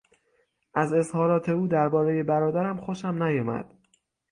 از اظهارات او در بارهی برادرم خوشم نیامد.